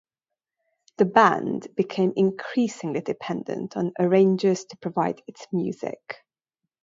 The band became increasingly dependent on arrangers to provide its music.